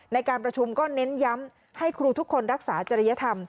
ในการประชุมก็เน้นย้ำให้ครูทุกคนรักษาจริยธรรม